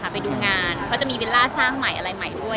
เพราะจะมีวิลล่าสร้างใหม่อะไรด้วย